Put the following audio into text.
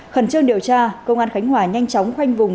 khẩn trương điều tra công an khánh hòa nhanh chóng khoanh vùng